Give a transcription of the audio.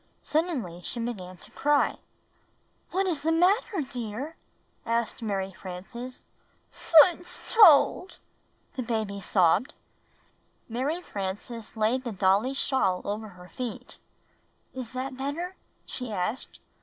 Suddenly she began to cry. "Wliy, what is the matter, dear?" asked Mary Frances. 'Toots told," the baby sobbed. Mary Frances laid the dolly's shawl over her feet. "Is that better?" she asked.